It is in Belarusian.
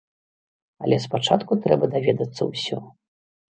Але спачатку трэба даведацца ўсё.